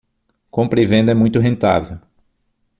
Compra e venda é muito rentável